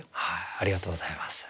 ありがとうございます。